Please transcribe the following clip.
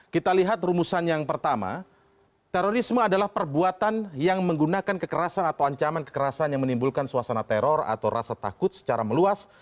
kita lihat rumusan yang pertama terorisme adalah perbuatan yang menggunakan kekerasan atau ancaman kekerasan yang menimbulkan suasana teror atau rasa takut secara meluas